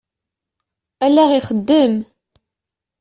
Allaɣ ixeddem.